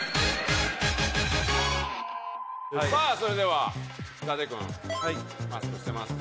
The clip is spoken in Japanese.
さあそれでは伊達君はいマスクしてますか？